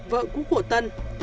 vợ cũ của tân